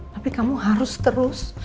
tapi kamu harus terus